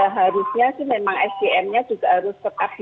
harusnya sih memang sdm nya juga harus tetap